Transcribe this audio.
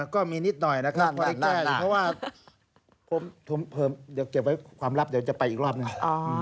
ก็มีนิดหน่อยนะครับเพราะว่าผมเดี๋ยวเก็บไว้ความลับเดี๋ยวจะไปอีกรอบหนึ่ง